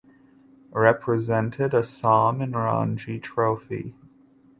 Represented Assam in Ranji Trophy.